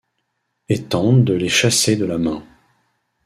et tentent de les chasser de la main.